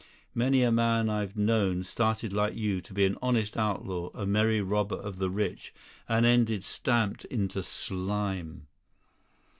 Many a man I've known started like you to be an honest outlaw, a merry robber of the rich, and ended stamped into slime.